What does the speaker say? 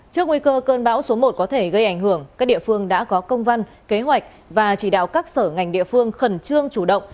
trước nguy cơ cơn bão số một có thể gây ảnh hưởng các địa phương đã có công văn kế hoạch và chỉ đạo các sở ngành địa phương khẩn trương chủ động